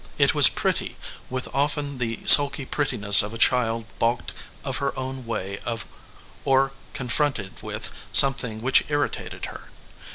It was pretty, with often the sulky prettiness of a child balked of her own way or confronted with something which irritated her.